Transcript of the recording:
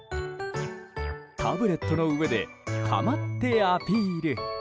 タブレットの上で構ってアピール！